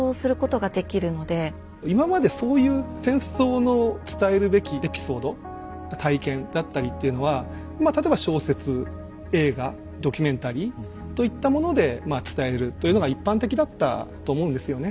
今までそういう戦争の伝えるべきエピソード体験だったりっていうのは例えば小説映画ドキュメンタリーといったものでまあ伝えるというのが一般的だったと思うんですよね。